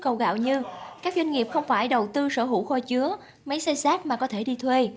khẩu gạo như các doanh nghiệp không phải đầu tư sở hữu kho chứa máy xây xác mà có thể đi thuê